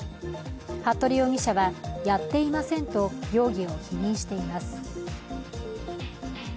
服部容疑者は、やっていませんと容疑を否認しています。